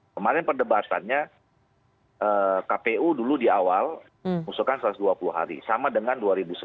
kemarin perdebatannya kpu dulu di awal mengusulkan satu ratus dua puluh hari sama dengan dua ribu sembilan belas